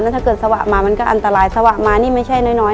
ในแคมเปญพิเศษเกมต่อชีวิตโรงเรียนของหนู